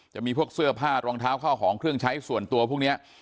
จะมีพวกเสื้อผ้ารองเท้าเข้าของเครื่องใช้ส่วนตัวพวกนี้